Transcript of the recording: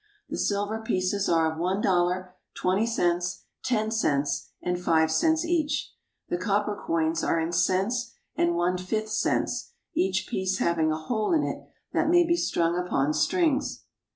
The silver pieces are of one dollar, twenty cents, ten cents, and five cents each. The copper coins are in cents and one fifth cents, each piece having a hole in it that it may be strung upon strings.